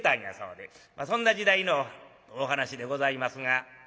そんな時代のお噺でございますが。